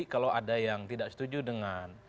kalau ada yang tidak setuju dengan